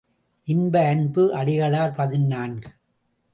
இன்ப அன்பு அடிகளார் பதினான்கு .